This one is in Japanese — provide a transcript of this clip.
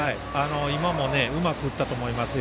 今もうまく打ったと思いますよ。